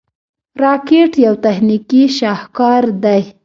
راکټ یو تخنیکي شاهکار دی